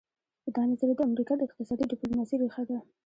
دا نظریه د امریکا د اقتصادي ډیپلوماسي ریښه ده